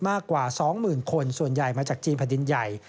มากกว่า๒๐๐๐คนส่วนใหญ่มาจากจีนแผ่นดินใหญ่